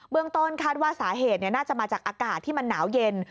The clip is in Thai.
เมืองต้นคาดว่าสาเหตุน่าจะมาจากอากาศที่มันหนาวเย็น